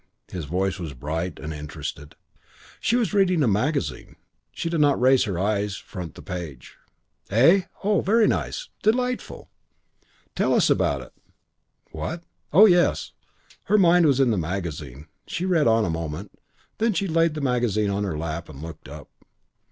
His voice was bright and interested. She was reading a magazine. She did not raise her eyes front the page. "Eh? Oh, very nice. Delightful." "Tell us about it." "What? Oh ... yes." Her mind was in the magazine. She read on a moment. Then she laid the magazine on her lap and looked up.